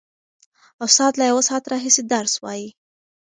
استاد له یوه ساعت راهیسې درس وايي.